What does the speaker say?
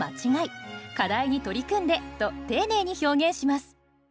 「課題に取り組んで」と丁寧に表現します。